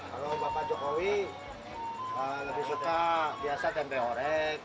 kalau bapak jokowi lebih suka biasa tempe orek